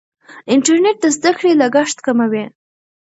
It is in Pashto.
انټرنیټ د زده کړې لګښت کموي.